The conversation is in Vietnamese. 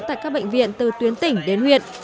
tại các bệnh viện từ tuyến tỉnh đến huyện